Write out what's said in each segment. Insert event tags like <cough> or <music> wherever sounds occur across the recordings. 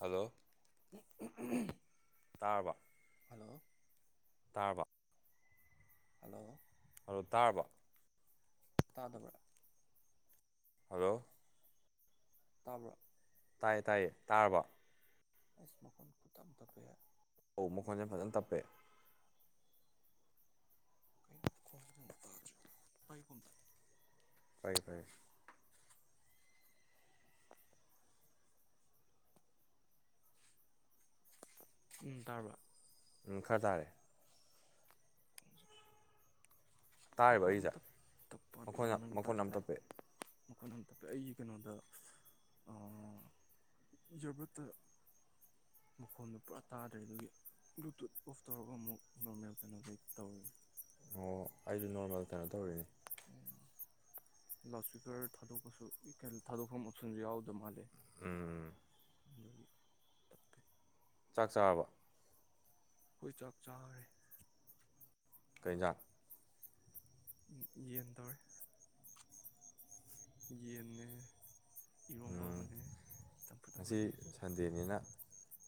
Hello ꯇꯥꯔꯕ ꯂꯣ ꯇꯥꯔꯕꯣ ꯍꯜꯂꯣ ꯍꯜꯂꯣ ꯇꯥꯔꯕꯣ ꯇꯥꯗꯕ꯭ꯔꯣ ꯍꯜꯂꯣ ꯇꯥꯕ꯭ꯔꯣ ꯇꯥꯏꯌꯦ ꯇꯥꯏꯌꯦ ꯇꯥꯔꯕꯣ ꯑꯟꯏꯟꯇꯦꯜꯂꯤꯖꯦꯕꯜ ꯑꯧ ꯃꯈꯣꯟꯁꯦ ꯐꯖꯟ ꯇꯞꯄꯦ ꯑꯟꯏꯟꯇꯦꯜꯂꯤꯖꯦꯕꯜ ꯄꯥꯏꯒꯦ ꯄꯥꯏꯒꯦ ꯎꯝ ꯇꯔꯕ ꯑꯝ ꯈꯔ ꯇꯥꯔꯦ ꯇꯥꯔꯤꯕ ꯃꯈꯣꯟ ꯌꯥꯝ ꯑꯩꯒꯤꯁꯦ ꯇꯞ ꯇꯞꯄ ꯃꯈꯣꯟ ꯌꯥꯝ ꯃꯈꯣꯟ ꯌꯥꯝ ꯇꯞꯄꯦ ꯀꯅꯝꯇ ꯑꯩꯒꯤ ꯀꯩꯅꯣꯗ ꯑ ꯖꯔꯕꯠꯇ ꯃꯈꯣꯟꯗꯨꯣ ꯄꯨꯔꯥ ꯇꯥꯗ꯭ꯔꯦ ꯑꯗꯨꯒꯤ ꯕ꯭ꯂꯨꯇꯨꯠ ꯑꯣꯐ ꯇꯧꯔꯒ ꯃꯨ ꯅꯣꯔꯃꯦꯜ ꯀꯩꯅꯣꯗꯩ ꯇꯧꯔꯣ ꯑꯣ ꯑꯩꯁꯨ ꯅꯣꯔꯃꯦꯜ ꯀꯩꯅꯣ ꯇꯧꯔꯤꯅꯤ ꯂꯥꯎꯠ ꯁꯄꯤꯀꯔ ꯊꯥꯗꯣꯛꯄꯁꯤꯁꯤꯅ ꯊꯥꯗꯣꯛꯐꯝ ꯑꯣꯞꯁꯟꯁꯨ ꯌꯥꯎꯗꯕ ꯃꯥꯜꯂꯦ ꯎꯝ <unintelligible> ꯆꯥꯛ ꯆꯥꯔꯕꯣ ꯑꯩꯈꯣꯏ ꯆꯥꯛ ꯆꯥꯔꯦ ꯀꯩ ꯍꯦꯟꯖꯥꯡ ꯌꯦꯟ ꯇꯧꯔꯦ ꯌꯦꯟꯅꯦ ꯏꯔꯣꯡꯕ ꯑꯃꯅꯦ ꯆꯝꯐꯨꯗ ꯉꯁꯤ ꯑꯃꯅꯦ ꯁꯟꯗꯦꯅꯤꯅ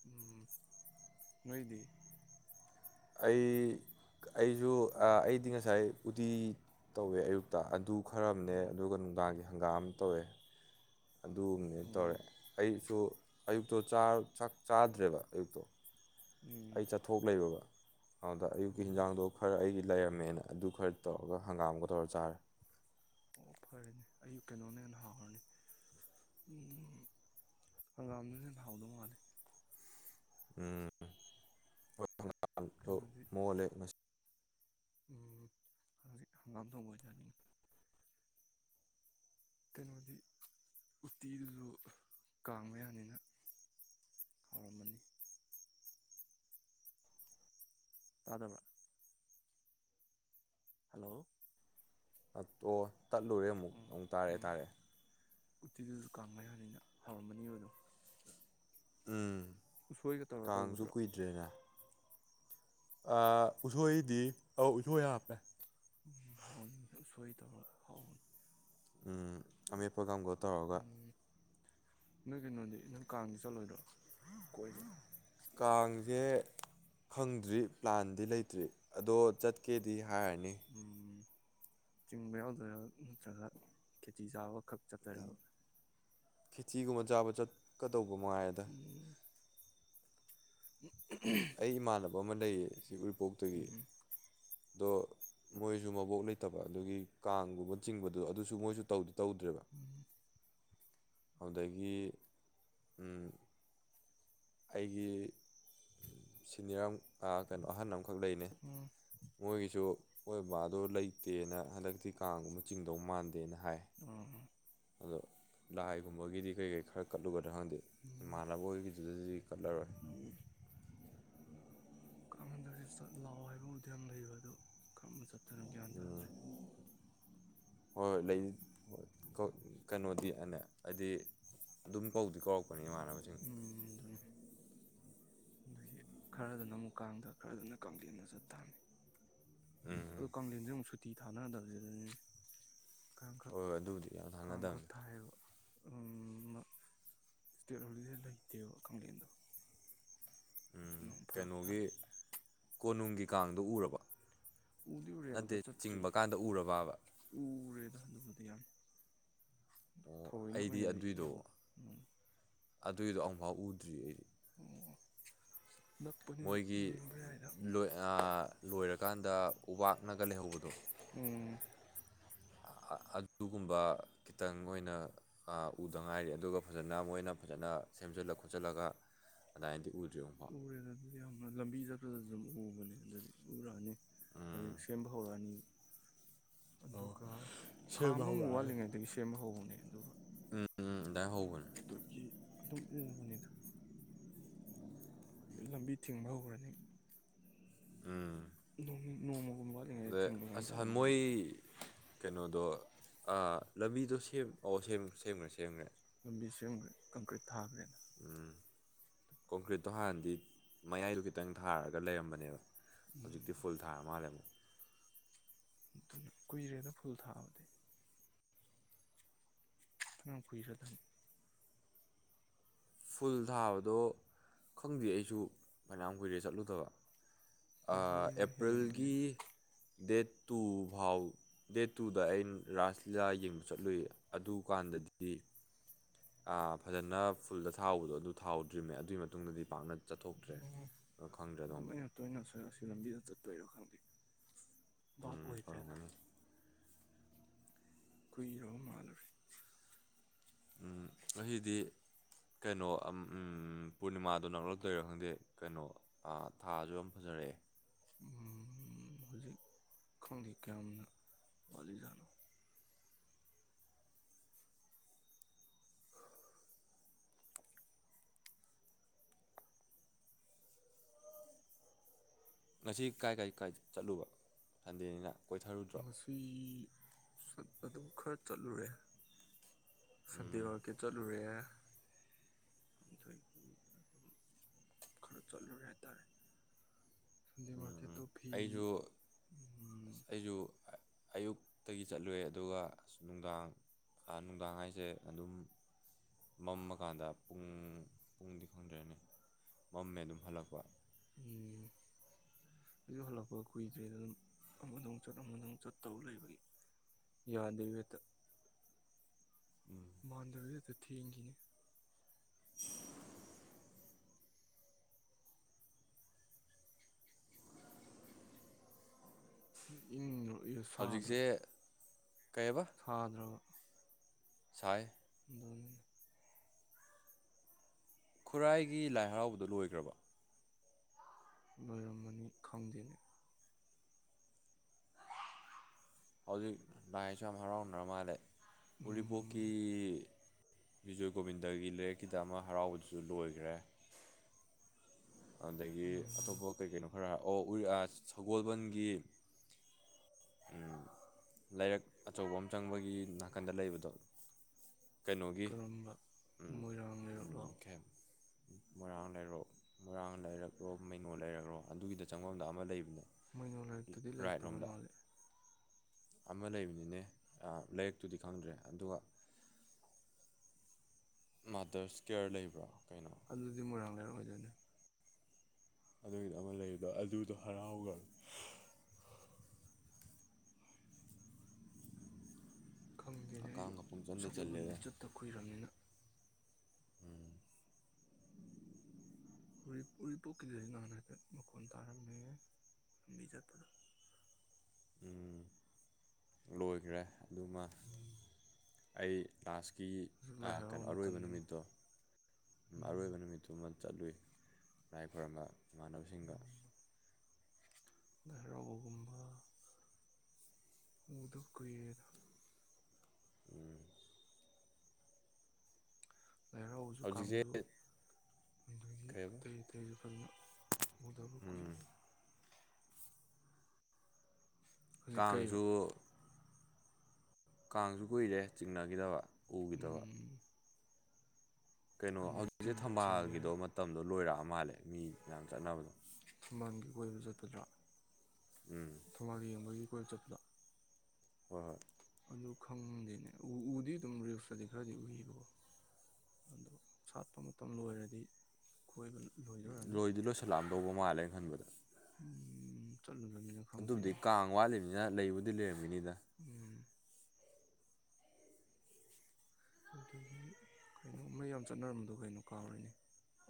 ꯎꯝ ꯅꯣꯏꯗꯤ ꯑꯩ ꯑꯩꯁꯨ ꯑꯩꯗꯤ ꯉꯁꯥꯏ ꯎꯇꯤ ꯇꯧꯔꯦ ꯑꯌꯨꯛꯇ ꯑꯗꯨ ꯈ꯭ꯔꯕꯅꯦ ꯎꯝ ꯑꯗꯨꯒ ꯅꯨꯡꯗꯥꯡꯒꯤ ꯍꯪꯒꯥꯝ ꯇꯧꯔꯦ ꯑꯗꯨꯝꯅꯦ ꯇꯧꯔꯦ ꯍꯪꯒꯥꯝ ꯑꯩ ꯑꯌꯨꯛꯇꯣ ꯆꯥꯛ ꯆꯥꯗ꯭ꯔꯦꯕ ꯑꯌꯨꯛꯇꯣ ꯎꯝ ꯑꯩ ꯆꯠꯊꯣꯛ ꯂꯩꯔꯕ ꯑꯗꯨꯒ ꯑꯌꯨꯛꯀꯤ ꯎꯝ ꯍꯟꯖꯥꯡꯗꯣ ꯈꯔ ꯑꯩꯒꯤ ꯂꯩꯔꯝꯃꯦꯅ ꯑꯗꯨ ꯈꯔ ꯇꯧꯔꯒ ꯍꯪꯒꯥꯝꯒ ꯇꯧꯔ ꯆꯥꯔꯦ ꯑꯣ ꯐꯔꯦꯅꯦ ꯑꯌꯨꯛ ꯀꯩꯅꯣꯅ ꯍꯦꯟꯅ ꯍꯥꯎꯔꯅꯤ ꯎꯝ ꯍꯪꯒꯥꯝꯗꯨꯅ ꯍꯦꯟꯅꯥ ꯍꯥꯎꯗꯧ ꯃꯥꯂꯦ ꯎꯝ ꯃꯣꯂꯦ <unintelligible> ꯎ ꯍꯪꯒꯥꯗ ꯃꯖꯅꯤ <inaudible> ꯀꯩꯅꯣꯗꯤ ꯎꯇꯤꯗꯨꯁꯨ ꯀꯥꯡ ꯃꯌꯥꯅꯤꯅ ꯍꯔꯝ ꯃꯅꯤ <inaudible> ꯇꯥꯗꯕꯔꯥ ꯍꯂꯣ ꯑꯣ ꯇꯠꯂꯨꯔꯦ ꯑꯃꯨꯛ ꯑꯃꯨꯛ ꯇꯥꯔꯛꯑꯦ ꯎꯝ ꯇꯥꯔꯛꯑꯦ ꯎꯇꯤꯗꯨꯁꯨ ꯀꯥꯡ ꯃꯌꯥꯅꯤꯅꯥ ꯍꯥꯎꯔꯝꯃꯅꯤꯕ ꯑꯗꯨꯝ ꯎꯝ ꯎꯁꯣꯏꯒ ꯇꯧꯔ ꯀꯥꯡꯁꯨ ꯇꯧꯕꯗꯨꯔꯣ ꯀꯨꯏꯗ꯭ꯔꯦꯅ ꯎꯁꯣꯏꯗꯤ ꯑ ꯎꯁꯣꯏ ꯍꯥꯞꯄꯦ ꯎ ꯍꯥꯎꯅꯤ ꯎꯁꯣꯏꯗꯣ ꯍꯥꯎꯅꯤ ꯑꯃꯦꯠꯄ ꯑꯃꯒ ꯇꯧꯔꯒ ꯎꯝ ꯅꯣꯏ ꯀꯩꯅꯣꯗꯤ ꯅꯪ ꯀꯥꯡꯗꯤ ꯆꯠꯂꯣꯏꯗ꯭ꯔꯣ ꯀꯣꯏꯗꯣꯏꯅ ꯀꯥꯡꯁꯦ ꯈꯪꯗ꯭ꯔꯤ ꯄ꯭ꯂꯥꯟꯗꯤ ꯂꯩꯇ꯭ꯔꯤ ꯑꯗꯣ ꯆꯠꯀꯦꯗꯤ ꯍꯥꯏꯔꯥꯅꯤ ꯎꯝ ꯆꯤꯡꯕ ꯌꯥꯎꯗꯨꯏꯔꯥ ꯅꯠꯇ꯭ꯔꯒ ꯈꯦꯆꯤ ꯆꯥꯕꯈꯛ ꯆꯠꯇꯨꯏꯔꯥ ꯈꯦꯆꯤꯒꯨꯝꯕ ꯆꯥꯕ ꯆꯠꯀꯗꯧꯕ ꯃꯉꯥꯏ ꯔꯦꯗ ꯎꯝ ꯑꯩ ꯏꯃꯥꯟꯅꯕ ꯑꯃ ꯂꯩꯌꯦ ꯁꯤ ꯎꯔꯤꯄꯣꯛꯇꯒꯤ ꯎꯝ ꯑꯗꯣ ꯃꯣꯏꯁꯨ ꯃꯕꯣꯛ ꯂꯩꯇꯕ ꯑꯗꯨꯒꯤ ꯀꯥꯡꯒꯨꯝꯕ ꯆꯤꯡꯕꯗꯣ ꯑꯗꯨꯁꯨ ꯃꯣꯏꯁꯨ ꯇꯧꯗꯦ ꯇꯧꯗ꯭ꯔꯦꯕ ꯑꯗꯨꯗꯒꯤ ꯑꯩꯒꯤ ꯁꯤꯅꯤꯌꯔ ꯀꯩꯅꯣ ꯑꯍꯟ ꯑꯃ ꯈꯛꯂꯩꯅꯦ ꯃꯣꯏꯒꯤꯁꯨ ꯑꯣꯏꯕꯗꯣ ꯂꯩꯇꯦꯅ ꯍꯟꯗꯛꯇꯤ ꯀꯥꯡꯗꯣ ꯆꯤꯡꯗꯧ ꯃꯥꯟꯗꯦꯅ ꯍꯥꯏ ꯎꯝ ꯑꯣ ꯑꯗꯣ ꯂꯥꯏꯒꯨꯝꯕꯒꯤꯗꯤ ꯀꯔꯤ ꯀꯔꯤ ꯈꯔ ꯀꯠꯂꯨꯒꯅꯤ ꯎꯝ ꯏꯃꯥꯅꯕ ꯍꯣꯏꯒꯤꯗꯨꯗꯥꯗꯤ ꯑꯗꯨ ꯀꯠꯂꯔꯣꯏ ꯑꯣꯏ ꯎꯝ ꯀꯥꯡ ꯍꯟꯗꯛꯁ ꯆ ꯂꯥꯛꯑꯣ ꯍꯥꯏꯕꯕꯨꯗꯤ ꯌꯥꯝ ꯂꯩꯕ ꯑꯗꯨꯣ <unintelligible> ꯍꯣꯏ ꯍꯣꯏ ꯂꯩꯏ ꯀꯩꯅꯣꯗꯤ ꯑꯅꯦ ꯍꯥꯏꯗꯤ ꯑꯗꯨꯝ ꯀꯧꯗꯤ ꯀꯧꯔꯛꯄ ꯑꯩꯈꯣꯏꯅ ꯏꯃꯥꯟꯅꯕꯁꯤꯡ ꯑꯗꯨꯒꯤ ꯈꯔꯗꯨꯅ ꯀꯥꯡꯗ ꯈꯔꯗꯨꯅ ꯀꯥꯡꯂꯦꯟꯗ ꯆꯠꯇꯕꯅꯦ ꯑꯗ ꯀꯥꯡꯂꯦꯟ ꯑꯃꯨꯛ ꯁꯨꯇꯤ ꯊꯥꯟꯅꯗꯕꯅꯤ ꯑꯗꯨꯅꯦ ꯍꯣꯏ ꯍꯣꯏ ꯑꯗꯨꯕꯨꯗꯤ ꯌꯥꯝ ꯊꯥꯡꯅꯗꯕꯅꯤ ꯇꯦꯛꯣꯣ ꯂꯩꯇꯦꯕ ꯀꯝꯄ꯭ꯂꯦꯟꯗꯣ ꯑꯗꯨ ꯅꯝ ꯐꯔꯛ ꯇꯥꯕ ꯀꯩꯅꯣꯒꯤ ꯀꯣꯅꯨꯡꯒꯤ ꯀꯥꯡꯗꯣ ꯎꯔꯕ ꯎꯗꯤ ꯎꯔꯦ ꯅꯠꯇꯦ ꯑꯝꯇ ꯆꯤꯡꯕ ꯀꯥꯟꯗ ꯎꯔꯕꯕ ꯗꯤ ꯊꯑꯣꯏꯅ ꯑꯣ ꯑꯣꯏꯅꯗꯤ ꯑꯩꯗꯤ ꯑꯗꯨꯏꯗꯣ ꯌꯥꯎꯕ ꯎꯝ ꯑꯗꯨꯏꯗꯣ ꯑꯃꯨꯛꯐꯥꯎ ꯎꯗ꯭ꯔꯤ ꯑꯩꯗꯤ ꯑꯣ ꯅꯛꯄꯅꯤꯅ ꯃꯣꯏꯒꯤ ꯌꯦꯡꯕ ꯌꯥꯏꯗ ꯂꯣꯏꯔꯀꯥꯟꯗ ꯎꯄꯥꯛꯥꯛꯅꯒ ꯂꯩꯍꯧꯕꯗꯣ ꯎꯝ ꯑ ꯑꯗꯨꯒꯨꯝꯕ ꯈꯤꯇꯪ ꯑꯣꯏꯅ ꯎꯗꯉꯥꯏꯔꯤ ꯑꯗꯨꯒ ꯐꯖꯅ ꯃꯣꯏꯅ ꯐꯖꯅ ꯁꯦꯝꯖꯤꯜꯂ ꯈꯣꯠꯆꯜꯂꯒ ꯑꯗꯨꯃꯥꯏꯗꯤ ꯎꯔꯦꯗ ꯑꯗꯨꯗꯤ ꯌꯥꯝ ꯂꯝꯕꯤ ꯆꯠꯄꯗꯁꯨ ꯑꯗꯨꯝ ꯎꯕꯅꯦ ꯑꯗꯨꯗꯤ ꯎꯔꯛꯑꯅꯤ ꯑꯗꯨ ꯁꯦꯝꯕ ꯍꯧꯔꯛꯑꯅꯤ ꯑꯣ ꯑꯗꯨꯒ ꯊꯥ ꯁꯦꯝꯕ ꯑꯃꯃꯨꯛ ꯍꯧꯔꯛꯑꯅꯤ ꯋꯥꯠꯂꯤꯉꯩꯗꯒꯤ ꯁꯦꯝꯕ ꯍꯧꯕꯅꯦ ꯑꯗꯨꯒ ꯎꯝ ꯑꯗꯨꯃꯥꯏꯅ ꯍꯧꯕꯅꯦ ꯑꯖꯤ ꯑꯗꯨꯗ ꯂꯝꯕꯤ ꯊꯤꯡꯕ ꯍꯧꯔꯅꯤ ꯑꯝ ꯣꯡ ꯅꯣꯡꯃ ꯑꯗ ꯑꯁꯥꯟ ꯃꯣꯏ ꯀꯩꯅꯣꯗꯣ ꯑ ꯂꯝꯕꯤꯗꯣ ꯁꯦꯝ ꯑꯣ ꯁꯦꯝ ꯁꯦꯝꯈ꯭ꯔꯦ ꯁꯦꯝꯈ꯭ꯔꯦ ꯕꯤꯁꯨ ꯈꯪꯈ꯭ꯗ ꯊꯥꯕ꯭ꯔꯦ ꯀꯣꯡꯀ꯭ꯔꯤꯠꯇꯣ ꯍꯥꯟꯅꯗꯤ ꯃꯌꯥꯏꯗꯣ ꯈꯤꯇꯪ ꯊꯥꯔꯒ ꯂꯩꯔꯝꯕꯅꯦꯕ ꯍꯧꯖꯤꯛꯇꯤ ꯎꯝ ꯐꯨꯜ ꯊꯥ ꯃꯥꯜꯂꯦ ꯑꯃꯨꯛ ꯑꯗꯨꯅ ꯀꯨꯏꯔꯦꯅ ꯐꯨꯜ ꯊꯥꯕꯗꯤ ꯑ ꯐꯏꯔ ꯊꯝ ꯐꯨꯜ ꯊꯥꯕꯗꯣ ꯈꯪꯗꯦ ꯑꯩꯁꯨ ꯐꯅꯌꯥꯝ ꯀꯨꯏꯔꯦ ꯆꯠꯂꯨꯗꯕ ꯆꯍꯤ ꯑꯃ ꯑꯦꯄ꯭ꯔꯤꯜꯒꯤ ꯍꯦꯜꯂꯝꯃꯅꯤꯗ ꯗꯦꯠ ꯇꯨ ꯐꯥꯎ ꯗꯦꯠ ꯇꯨꯗ ꯑꯩꯅ ꯔꯥꯁ ꯂꯤꯂꯥ ꯌꯦꯡꯕ ꯆꯠꯂꯨꯏ ꯑꯗꯨꯀꯥꯟꯗꯗꯤ ꯑ ꯐꯖꯅ ꯐꯨꯜꯗ ꯊꯥꯎꯕꯗꯣ ꯑꯗꯨ ꯊꯥꯎꯗ꯭ꯔꯤꯝꯃꯦ ꯑꯗꯨꯒꯤ ꯃꯇꯨꯡꯗꯗꯤ ꯄꯥꯛꯅ ꯆꯠꯊꯣꯛꯇ꯭ꯔꯦ ꯑꯣ ꯈꯪꯗ꯭ꯔꯦ ꯑꯗꯣꯝꯗ ꯐ ꯂꯝꯕꯤꯗꯇꯠꯇꯣꯏꯔꯣ ꯈꯪꯗꯦ ꯚꯥꯞ ꯎꯝ ꯑꯣꯏꯇꯥꯦꯗ ꯑꯣꯏꯔꯝꯒꯅꯤ ꯀꯨꯏꯔ ꯃꯥꯥꯟꯂꯨꯔꯦ ꯑꯩꯗꯤ ꯀꯩꯅꯣ ꯄꯨꯔꯅꯤꯃꯥꯗꯣ ꯅꯛꯂꯛꯇꯣꯏꯔꯥ ꯈꯪꯗꯦ ꯀꯩꯅꯣ ꯊꯥꯁꯨ ꯌꯥꯝ ꯐꯖꯅ ꯇꯦ ꯎꯝ ꯍꯧꯖꯤꯛ ꯈꯪꯗꯦ ꯀꯌꯥꯝꯅ ꯋꯥꯠꯂꯤꯖꯥꯠꯅꯣ ꯉꯁꯤ ꯀꯥꯏ ꯀꯥꯏ ꯀꯥꯏ ꯆꯠꯂꯨꯕ ꯁꯟꯗꯦꯅꯤꯅ ꯀꯣꯏꯊꯔꯨꯗ꯭ꯔꯣ ꯃꯁꯤ ꯑꯗꯨ ꯈꯔ ꯆꯠꯂꯨꯔꯦ ꯁꯟꯗꯤ ꯃꯥꯔꯀꯦꯠ ꯆꯠꯂꯨꯔꯦ ꯑꯗꯒꯤ ꯈꯔ ꯆꯂꯨ ꯍꯥꯏꯇꯥꯔꯦ ꯁꯟꯗꯤ ꯃꯥꯔꯀꯦꯇꯣ ꯐ ꯑꯩꯁꯨ ꯎ ꯑꯩꯁꯨ ꯑ- ꯑꯌꯨꯛꯇꯒꯤ ꯆꯠꯂꯨꯔꯦ ꯑꯗꯨꯒ ꯑ ꯅꯨꯡꯗꯥꯡ ꯅꯨꯡꯗꯥꯡ ꯍꯥꯏꯁꯦ ꯑꯗꯨꯝ ꯃꯝꯃꯀꯥꯟꯗ ꯄꯨꯡ ꯄꯨꯡꯗꯤ ꯈꯪꯗ꯭ꯔꯦꯅꯤ ꯃꯝꯃꯦ ꯑꯗꯨꯝ ꯍꯜꯂꯛꯄ ꯎꯝ ꯑꯗꯨ ꯍꯜꯂꯛꯄ ꯀꯨꯏꯗ꯭ꯔꯦꯗ ꯑꯗꯨꯝ ꯑꯃꯗꯪ ꯆꯠ ꯑꯃꯗꯧ ꯆꯠꯇꯧ ꯂꯩꯕꯒꯤ ꯌꯥꯗ ꯏꯕꯦ ꯇ ꯃꯥꯟꯗꯕꯤꯗꯗ ꯊꯦꯡꯈꯤꯅꯦ ꯏ꯭ꯔꯣ ꯁꯥꯗ꯭ꯔꯣ ꯍꯧꯖꯤꯛꯁꯦ ꯀꯩꯕ <unintelligible> ꯁꯥꯏ ꯑꯗꯨꯅꯤꯅ ꯈꯨꯔꯥꯏꯒꯤ ꯂꯥꯏ ꯍꯔꯥꯎꯕꯗꯨ ꯂꯣꯏꯈ꯭ꯔꯕ? ꯂꯣꯏꯔꯝꯃꯅꯤ ꯈꯪꯗꯦꯅꯦ꯫ ꯍꯧꯖꯤꯛ ꯂꯥꯏꯁꯨ ꯌꯥꯝ ꯍꯔꯥꯎꯅꯔ ꯃꯥꯜꯂꯦ ꯎꯔꯤꯄꯣꯛꯀꯤ ꯎꯝ ꯕꯤꯖꯣꯏ ꯒꯣꯕꯤꯟꯗꯒꯤ ꯂꯔꯛꯀꯤꯗ ꯑꯃ ꯍꯔꯥꯎꯕꯗꯨꯁꯨ ꯂꯣꯏꯈ꯭ꯔꯦ꯫ ꯑꯗꯒꯤ ꯎꯝ ꯑꯇꯣꯞꯄ ꯀꯩ ꯀꯩꯅꯣ ꯈꯔ ꯑꯣ ꯎꯔꯤ ꯑꯥ ꯁꯒꯣꯜꯕꯟꯒꯤ ꯎ ꯂꯥꯏꯔꯛ ꯑꯆꯧꯕ ꯑꯃ ꯆꯪꯕꯒꯤ ꯅꯥꯀꯟꯗ ꯂꯩꯕꯗꯣ ꯀꯩꯅꯣꯒꯤ ꯀꯔꯝꯕ ꯎꯝ ꯃꯣꯏꯔꯥꯡ ꯎꯝ ꯂꯩꯔꯛꯂꯣ ꯊꯦꯡ ꯃꯣꯏꯔꯥꯡ ꯂꯩꯔꯣꯛ ꯃꯣꯏꯔꯥꯡ ꯂꯩꯔꯛ꯭ꯔꯣ ꯃꯩꯅꯣ ꯂꯩꯔꯛꯔꯣ ꯑꯗꯨꯒꯤꯗ ꯆꯪꯐꯝꯗ ꯑꯃ ꯂꯩꯕꯅꯦ꯫ ꯃꯩꯅꯣ ꯂꯥꯏꯔꯤꯛꯇꯗꯤ ꯔꯥꯏꯠ ꯂꯩꯇꯕ ꯔꯣꯝꯗ ꯃꯥꯂꯦ꯫ ꯑꯃ ꯂꯩꯕꯅꯤꯅꯦ ꯂꯥꯏꯔꯤꯛꯇꯨꯗꯤ ꯈꯪꯗ꯭ꯔꯦ ꯑꯗꯨꯒ ꯃꯥꯗꯔꯁ ꯀꯦꯌꯔ ꯂꯩꯕ꯭ꯔꯥ? ꯀꯩꯅꯣ ꯑꯗꯨꯗꯤ ꯃꯣꯏꯔꯥꯡ ꯂꯩꯔꯛ ꯑꯣꯏꯗꯣꯏꯅꯦ꯫ ꯑꯗꯨꯒꯤꯗ ꯑꯃ ꯂꯩꯕꯗꯣ ꯑꯗꯨꯗꯣ ꯍꯔꯥꯎꯒ ꯈꯪꯗꯦꯅꯦ ꯑꯩꯁꯨ ꯍꯥꯀꯥꯝꯒ ꯄꯪꯆꯟꯗ - ꯁꯒꯣꯜꯕꯟꯗ ꯆꯜꯂꯦꯗ꯫ ꯆꯠꯇ ꯀꯨꯏꯔꯕꯅꯤꯅ ꯎꯔꯤꯄꯣꯛꯀꯤꯗꯁꯨ ꯅꯍꯥꯟ ꯍꯥꯏꯐꯦꯠ ꯃꯈꯣꯟ ꯇꯥꯔꯝꯃꯦ ꯂꯝꯕꯤ ꯆꯠꯄꯗ꯫ ꯎꯝ ꯂꯣꯏꯈ꯭ꯔꯦ ꯑꯗꯨꯃ ꯎꯝ ꯑꯩ ꯂꯥꯁ ꯀꯤ ꯍꯧꯖꯤꯛ ꯂꯥꯏ ꯀꯩꯅꯣ ꯍꯔꯥꯎꯕ ꯑꯔꯣꯏꯕ ꯃꯇꯝꯅꯤꯅꯦ ꯅꯨꯃꯤꯠꯇꯣ ꯑꯔꯣꯏꯕ ꯎꯝ ꯅꯨꯃꯤꯠꯇꯨ ꯆꯠꯂꯨꯏ ꯂꯥꯏ ꯈꯣꯏꯔꯝꯕ ꯏꯃꯥꯟꯅꯕꯁꯤꯡꯒ ꯍꯔꯥꯎꯕꯒꯨꯝꯕ ꯎꯗꯕ ꯀꯨꯏꯔꯦꯗꯥ ꯎꯝ ꯂꯩꯔꯥꯎꯕꯁꯨ ꯍꯧꯖꯤꯛꯁꯦ ꯀꯥꯡꯁꯨ ꯑꯗꯒꯤ ꯀꯩꯕ ꯑꯇꯩ ꯑꯇꯩꯁꯨ ꯐꯖꯅ ꯎꯗꯕꯥ ꯀꯨꯏꯔꯦꯗ꯫ ꯍꯧꯖꯤꯛ ꯀꯩꯕ ꯀꯥꯡꯁꯨ ꯀꯥꯡꯁꯨ ꯀꯨꯏꯔꯦ ꯆꯤꯡꯅꯈꯤꯗꯕ ꯎꯝ ꯎꯈꯤꯗꯕ ꯀꯩꯅꯣ ꯍꯟꯗꯛ ꯍꯧꯖꯤꯛꯁꯦ ꯇꯤꯝ ꯆꯤꯡꯒꯦ ꯊꯝꯕꯥꯜꯒꯤꯗꯣ ꯍꯥꯏꯔ ꯃꯇꯝꯗꯣ ꯂꯣꯏꯔꯛꯑ ꯃꯥꯜꯂꯦ ꯃꯤ ꯃꯌꯥꯝ ꯆꯠꯅꯕꯗꯣ꯫ ꯊꯝꯕꯥꯜꯒꯤ ꯀꯣꯏꯕ ꯆꯠꯄꯗꯔ꯭ ꯊꯝꯕꯥꯜ ꯌꯦꯡꯕꯒꯤ ꯀꯣꯏꯕ ꯆꯠꯄꯗ ꯍꯣꯏ ꯍꯣꯏ ꯫ ꯑꯗꯨ ꯈꯪꯗꯦꯅꯦ ꯎꯗꯤ ꯑꯗꯨꯝ ꯔꯤꯜꯁꯇꯗꯤ ꯈꯔꯗꯤ ꯎꯏꯌꯦꯕꯀꯣ꯫ ꯑꯣ ꯁꯥꯠꯄ ꯃꯇꯝ ꯂꯣꯏꯔꯗꯤ ꯀꯣꯏꯕ ꯂꯣꯏꯗꯣꯏꯔꯅꯤ ꯂꯣꯏꯗꯤ ꯂꯣꯏꯁꯤꯜꯂꯛꯑꯝꯗꯧꯕ ꯃꯥꯜꯂꯦꯅ ꯈꯟꯕꯗ ꯆꯠꯂꯨꯗꯕꯅꯤꯅ ꯑꯗꯨꯕꯨꯗꯤ ꯈꯪꯗꯦꯅꯦ ꯀꯥꯡ ꯋꯥꯠꯂꯤꯅꯤꯅ ꯂꯩꯕꯨꯗꯤ ꯂꯩꯔꯝꯃꯤꯅꯤꯗ ꯑꯗꯨꯗꯒꯤ ꯀꯩꯅꯣꯃ ꯌꯥꯝ ꯆꯠꯅꯔꯝꯕꯗꯣ ꯀꯩꯅꯣ ꯀꯥꯎꯔꯤꯅꯦ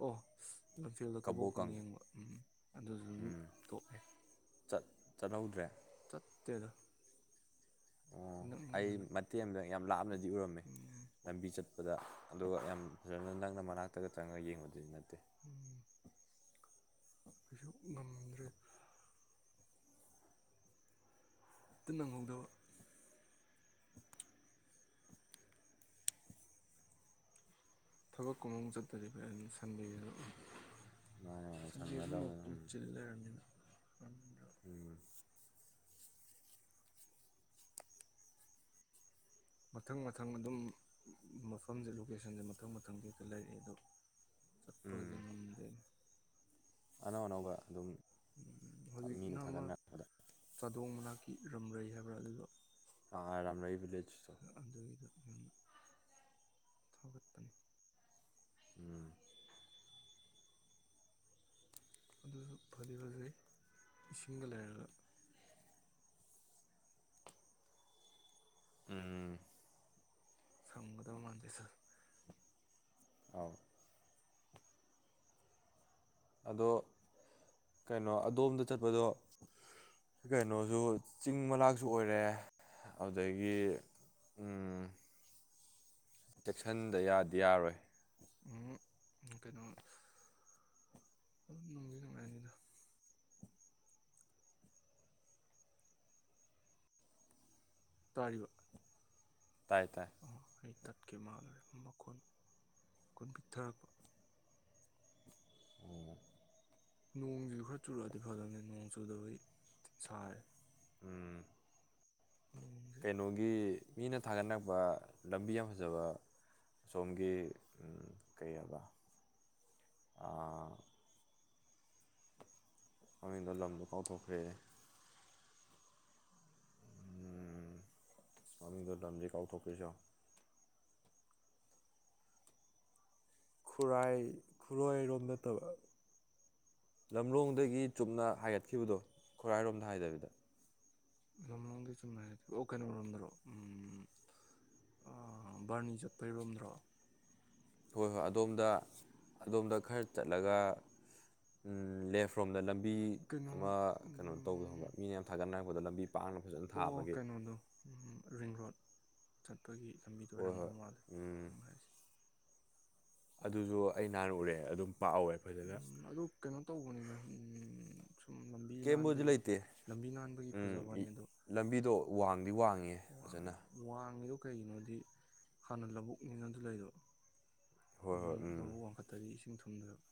ꯑꯣ ꯂꯝꯐꯦꯜꯗ ꯀꯕꯣꯛ ꯀꯪ ꯀꯕꯣꯀꯪ ꯌꯦꯡꯕ ꯎꯝ ꯑꯗꯨꯁꯨ ꯑꯗꯨꯝ ꯇꯣꯛꯑꯦ ꯆꯠ ꯆꯠꯍꯧꯗ꯭ꯔꯦ ꯇꯦꯗ ꯑꯣ ꯑꯩ ꯃꯇꯦꯝꯗ ꯌꯥꯝ ꯂꯥꯞꯅꯗꯤ ꯎꯔꯝꯃꯦ ꯎꯝ ꯂꯝꯕꯤ ꯆꯠꯄꯗ ꯑꯗꯨꯒ ꯌꯥꯝ ꯐꯖꯅ ꯅꯪꯅ ꯃꯅꯥꯛꯇꯒ ꯆꯪꯉꯒ ꯌꯦꯡꯕꯗ ꯎꯝ ꯀꯩꯁꯨ ꯉꯝꯗ꯭ꯔꯦ ꯍꯦꯛꯇ ꯅꯪꯍꯧꯗꯕ ꯊꯕꯛ ꯀꯨꯃ ꯆꯠꯄꯥꯖꯦ ꯑꯩꯅ ꯁꯟꯗꯦꯔ ꯃꯥꯅ ꯃꯥꯅ ꯁꯟꯗꯦ ꯁꯨ ꯁꯪꯅꯗꯕꯅꯤꯅ <unintelligible> ꯆꯤꯜ ꯂꯩꯔꯅꯤꯗ ꯎꯝ ꯃꯊꯪ ꯃꯊꯪ ꯑꯗꯨꯝ ꯃꯐꯝꯁꯦ ꯂꯣꯀꯦꯁꯟꯁꯦ ꯃꯊꯪ - ꯃꯊꯪꯒꯤ ꯍꯦꯛꯇ ꯂꯩꯔꯛꯑꯦ ꯑꯗꯣ ꯆꯠꯄꯗꯤ ꯉꯝꯗꯦ꯫ ꯑꯅꯧ - ꯑꯅꯧꯕ ꯑꯗꯨꯝ ꯎꯝ ꯃꯤꯅ ꯍꯧꯖꯤꯛꯅ ꯑꯃ ꯊꯥꯒꯠꯅꯔꯛꯄꯗ ꯆꯥꯗꯣꯡ ꯃꯅꯥꯛ ꯀꯤꯔꯝꯂꯩ ꯍꯥꯏꯕ꯭ꯔꯥ ꯑꯗꯨꯗꯣ ꯑꯔꯝꯔꯩ ꯕꯤꯂꯦ꯭ꯁ ꯑꯗꯨꯒꯤꯗꯣ ꯌꯥꯝꯅ ꯊꯧꯒꯠꯄꯅꯤ ꯎꯝ ꯑꯗꯨꯁꯨ ꯐꯗꯤ ꯐꯖꯩ ꯏꯁꯤꯡꯒ ꯂꯩꯔꯒ ꯎꯝ ꯁꯒꯗ ꯃꯗꯁ ꯑ ꯑꯗꯣ ꯀꯩꯅꯣ ꯑꯗꯣꯝꯗ ꯆꯠꯄꯗꯣ ꯀꯩꯅꯣꯁꯨ ꯆꯤꯡ ꯃꯅꯥꯛꯁꯨ ꯑꯣꯏꯔꯦ ꯑꯗꯨꯗꯒꯤ ꯎꯝ ꯆꯦꯛꯁꯤꯟꯗ ꯌꯥꯗꯤ ꯌꯥꯔꯣꯏ ꯎꯝ ꯀꯩꯅꯣ ꯣꯡꯉꯗ ꯇꯥꯔꯤꯕ ꯇꯥꯏ ꯇꯥꯏ ꯑꯥ ꯑꯩ ꯇꯠꯀꯦ ꯃꯥꯜꯂꯔꯦ ꯃꯈꯣꯜ ꯃꯈꯨꯟ ꯄꯤꯛꯊꯔꯛꯄ ꯅꯣꯡꯁꯤꯁꯨ ꯈꯔ ꯆꯨꯔꯛꯑꯗꯤ ꯐꯗꯕꯅꯦ ꯅꯣꯡ ꯆꯨꯗꯕꯒꯤ ꯁꯥꯔꯦ ꯎꯝ ꯅꯣꯡꯁꯦ ꯀꯩꯅꯣꯒꯤ ꯃꯤꯅ ꯊꯥꯒꯠꯂꯛꯄ ꯂꯝꯕꯤ ꯌꯥꯝ ꯐꯖꯕ ꯁꯣꯝꯒꯤ ꯀꯩ ꯍꯥꯏꯕ ꯃꯃꯤꯡꯗ ꯂꯝꯗꯣ ꯀꯥꯎꯊꯣꯛꯈ꯭ꯔꯦꯦ ꯎꯝ ꯁꯃꯤꯗ ꯂꯝꯟꯖꯤꯀꯥꯎ ꯊꯄꯦꯁꯣ ꯈꯨꯔꯥꯏ ꯈꯨꯔꯥꯏꯔꯣꯝ ꯅꯠꯇꯕ ꯂꯝꯂꯣꯡꯗꯒꯤ ꯆꯨꯞꯅ ꯍꯥꯏꯒꯠꯈꯤꯕꯗꯣ ꯈꯨꯔꯥꯏꯔꯣꯝꯗ ꯍꯥꯏꯗꯕꯤꯗ ꯆꯨꯝ ꯑꯣ ꯀꯩꯅꯗꯔꯣ ꯎꯝ ꯕꯥꯔꯅꯤ ꯆꯠꯄꯩꯔꯣꯝꯗ꯭ꯔꯣ ꯍꯣꯏ ꯍꯣꯏ ꯑꯗꯣꯝꯗ ꯑꯗꯣꯝꯗ ꯈꯔ ꯆꯠꯂꯒ ꯂꯦꯐ ꯔꯣꯝꯗ ꯂꯝꯕꯤ ꯀꯩꯅꯣ ꯑꯃ ꯀꯩꯅꯣ ꯇꯧꯕ ꯈꯕ꯭ꯔꯥ ꯃꯤꯅ ꯌꯥꯝ ꯊꯥꯒꯠꯅꯔꯛꯄꯗ ꯂꯝꯕꯤ ꯄꯥꯛꯅ ꯐꯖꯅ ꯑꯣ ꯊꯥꯕꯒꯤ ꯀꯩꯅꯣꯗꯣ ꯔꯤꯡ ꯔꯣꯗ ꯆꯠ ꯑꯩꯈꯣꯏꯒꯤ ꯂꯝꯕꯤꯗꯣ ꯍꯣꯏ ꯍꯣꯏ ꯑꯣꯏꯔꯝꯗꯧ ꯃꯥꯜꯂꯦ ꯎꯝ ꯅꯨꯡꯉꯥꯏꯔꯤꯁꯦ ꯑꯗꯨꯁꯨ ꯑꯩ ꯅꯥꯔꯛꯎꯨꯔꯦ ꯑꯗꯨꯝ ꯄꯥꯛꯍꯧꯋꯦ ꯐꯖꯅ ꯎꯝ ꯑꯗꯨ ꯀꯩꯅꯣ ꯇꯧꯕꯅꯤꯅ ꯁꯨꯝ ꯂꯝꯕꯤ ꯀꯦꯝꯕꯨꯗꯤ ꯅꯥꯟꯕꯒꯤ ꯂꯩꯇꯦ ꯂꯝꯕꯤ ꯅꯥꯟꯕꯒꯤ ꯎꯝ ꯐꯖꯕꯅꯤ ꯏ- ꯑꯗꯣ ꯂꯝꯕꯤꯗꯣ ꯋꯥꯡꯉꯦ ꯐꯖꯅ ꯋꯥꯡꯉꯤ ꯋꯥꯡꯉꯤꯗꯣ ꯀꯩꯒꯤꯅꯣꯗꯤ ꯍꯥꯟꯅ ꯂꯧꯕꯨꯛꯅꯤꯅ ꯑꯗꯨ ꯂꯩꯗꯣ ꯍꯣꯏ ꯍꯣꯏ ꯑꯗꯨꯅ ꯎꯝ ꯂꯧꯕꯨꯛ ꯋꯥꯡꯈꯠꯇꯔꯤ ꯏꯁꯤꯡ ꯊꯨꯝꯗꯅꯕ